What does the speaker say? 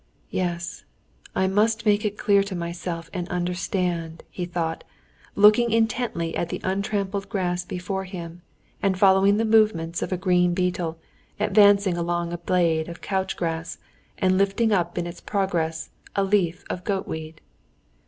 "Yes, I must make it clear to myself and understand," he thought, looking intently at the untrampled grass before him, and following the movements of a green beetle, advancing along a blade of couch grass and lifting up in its progress a leaf of goat weed.